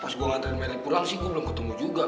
pas gue ngantri pulang sih gue belum ketemu juga